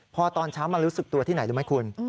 พอตอนเช้ามารู้สึกตัวที่ไหนรู้ไหมคุณ